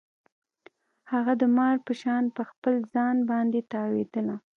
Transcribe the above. هغه د مار په شان په خپل ځان باندې تاوېدله.